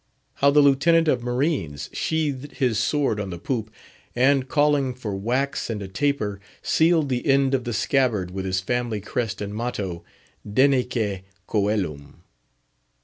How the Lieutenant of Marines sheathed his sword on the poop, and, calling for wax and a taper, sealed the end of the scabbard with his family crest and motto—_Denique Coelum?